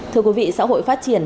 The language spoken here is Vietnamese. thưa quý vị xã hội phát triển